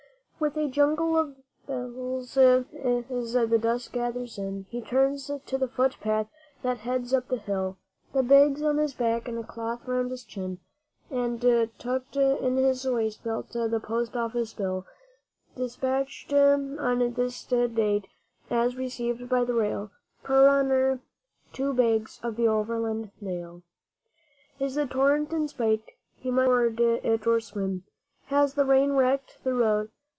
With a jingle of bells as the dusk gathers in, He turns to the foot path that heads up the hill The bags on his back and a cloth round his chin, And, tucked in his waistbelt, the Post Office bill; 'Despatched on this date, as received by the rail, 'Per runner, two bags of the Overland Mail.' Is the torrent in spate? He must ford it or swim. Has the rain wrecked the road?